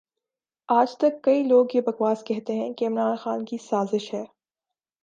اجتک کئئ لوگ یہ بکواس کہتے ھیں کہ عمران خان کی سازش ھے